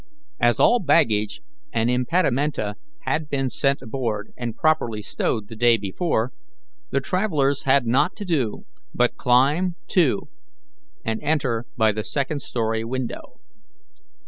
As all baggage and impedimenta bad been sent aboard and properly stowed the day before, the travellers had not to do but climb to and enter by the second story window.